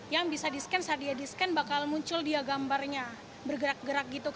yang bisa di scans hadiah di scan bakal muncul dia gambarnya bergerak gerak gitu